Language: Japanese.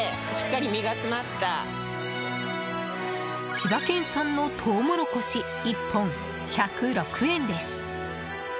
千葉県産のトウモロコシ１本、１０６円です。